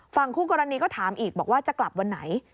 คู่กรณีก็ถามอีกบอกว่าจะกลับวันไหน